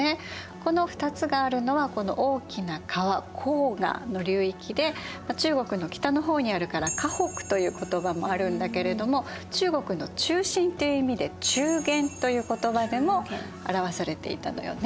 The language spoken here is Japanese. この２つがあるのは大きな川黄河の流域で中国の北の方にあるから華北という言葉もあるんだけれども中国の中心という意味で中原という言葉でも表されていたのよね。